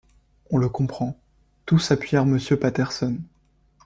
On le comprend, tous appuyèrent Monsieur Patterson.